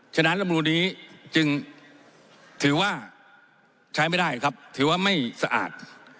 ฉะนั้นลำนูนนี้จึงถือว่าใช้ไม่ได้ครับถือว่าไม่สะอาด